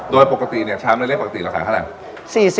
โดยปกติเนี่ยชามละเล็กปกติราคาเท่าไหร่